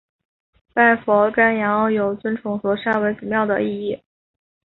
拜佛钳羊有尊崇佛山为祖庙的意义。